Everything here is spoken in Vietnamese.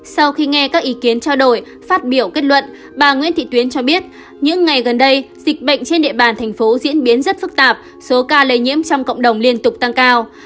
sau khi nghe các ý kiến trao đổi phát biểu kết luận bà nguyễn thị tuyến cho biết những ngày gần đây dịch bệnh trên địa bàn thành phố diễn biến rất phức tạp số ca lây nhiễm trong cộng đồng liên tục tăng cao